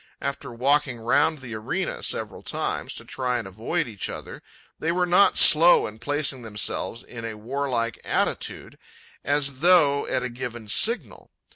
After walking round the arena several times, to try and avoid each other, they were not slow in placing themselves in a warlike attitude, as though at a given signal.